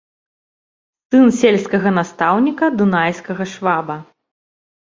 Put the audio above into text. Сын сельскага настаўніка, дунайскага шваба.